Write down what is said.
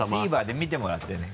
「ＴＶｅｒ」で見てもらってね